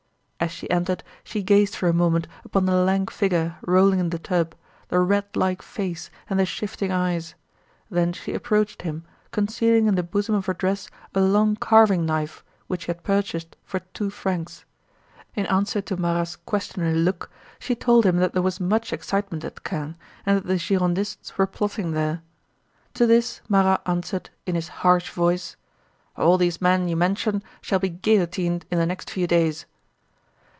As she entered she gazed for a moment upon the lank figure rolling in the tub, the rat like face, and the shifting eyes. Then she approached him, concealing in the bosom of her dress a long carving knife which she had purchased for two francs. In answer to Marat's questioning look she told him that there was much excitement at Caen and that the Girondists were plotting there. To this Marat answered, in his harsh voice: "All these men you mention shall be guillotined in the next few days!"